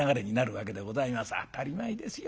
当たり前ですよ。